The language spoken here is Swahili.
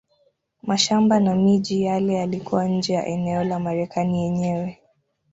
Mashamba na miji yale yalikuwa nje ya eneo la Marekani yenyewe.